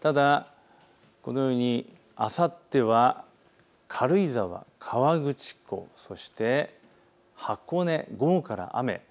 ただこのようにあさっては軽井沢、河口湖、箱根、午後から雨。